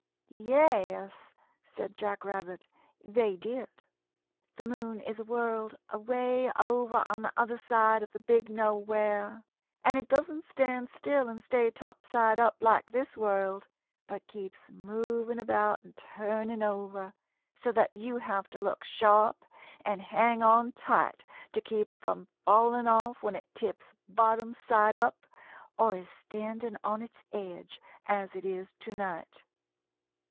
"Yes," said Jack Rabbit, "they did. The moon is a world, away over on the other side of the Big Nowhere, and it doesn't stand still and stay top side up like this world, but keeps moving about and turning over, so that you have to look sharp and hang on tight to keep from falling off when it tips bottom side up, or is standing on its edge as it is to night.